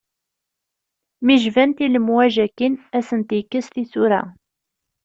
Mi jbant i lemwaj akin, ad asent-yekkes tisura.